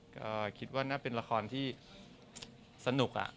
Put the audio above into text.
ก็คิดว่าน่าเป็นละครที่สนุก